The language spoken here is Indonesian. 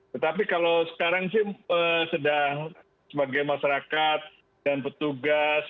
tetapi kalau sekarang sih sedang sebagai masyarakat dan petugas